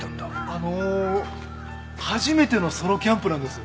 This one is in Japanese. あの初めてのソロキャンプなんです。